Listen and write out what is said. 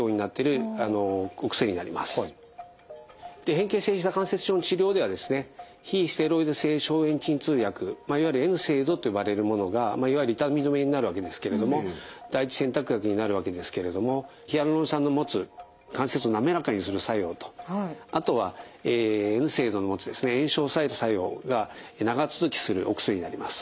変形性ひざ関節症の治療ではですね非ステロイド性消炎鎮痛薬いわゆるＮＳＡＩＤｓと呼ばれるものがいわゆる痛み止めになるわけですけれども第一選択薬になるわけですけれどもヒアルロン酸の持つ関節を滑らかにする作用とあとはＮＳＡＩＤｓの持つ炎症を抑える作用が長続きするお薬になります。